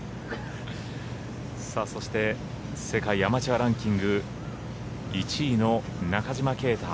そして世界アマチュアランキング１位の中島啓太。